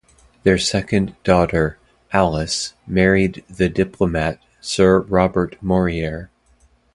Their second daughter Alice married the diplomat Sir Robert Morier.